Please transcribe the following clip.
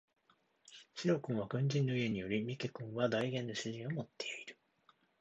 白君は軍人の家におり三毛君は代言の主人を持っている